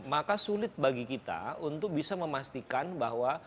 maka sulit bagi kita untuk bisa memastikan bahwa